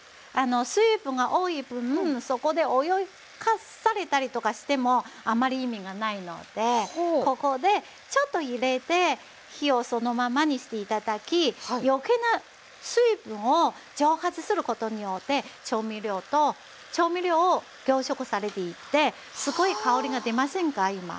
水分が多い分そこで泳がされたりとかしてもあまり意味がないのでここでちょっと入れて火をそのままにして頂き余計な水分を蒸発することによって調味料を凝縮されていってすごい香りが出ませんか今。